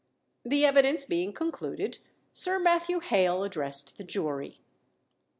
] The evidence being concluded, Sir Matthew Hale addressed the jury.